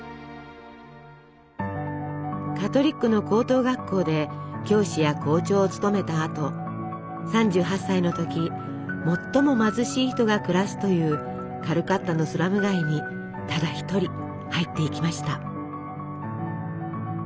カトリックの高等学校で教師や校長を務めたあと３８歳の時最も貧しい人が暮らすというカルカッタのスラム街にただ１人入っていきました。